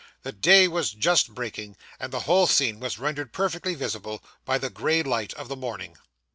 The day was just breaking, and the whole scene was rendered perfectly visible by the grey light of the morning.